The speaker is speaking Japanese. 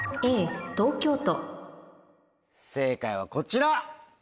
正解はこちら。